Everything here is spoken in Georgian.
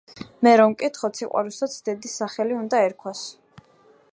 მე რომ მკითხოთ, სიყვარულსაც დედის სახელი უნდა ერქვას...